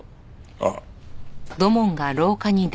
ああ。